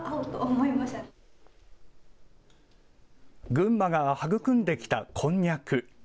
群馬が育んできたこんにゃく。